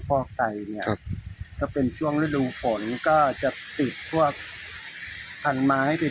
พ่อกใจเนี้ยก็เป็นช่วงฤดูฝนก็จะติดพวกพังไม้ไปด้วย